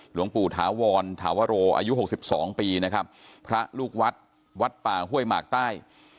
หลวงปู่ถาวรถาวโรอายุหกสิบสองปีนะครับพระลูกวัดวัดป่าห้วยหมากใต้